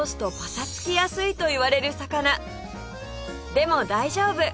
でも大丈夫！